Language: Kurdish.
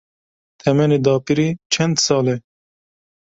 Temenê dapîrê çend sal e?